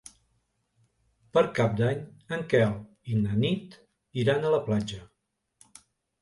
Per Cap d'Any en Quel i na Nit iran a la platja.